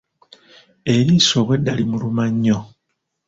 Eriiso obweeda limuluma nnyo.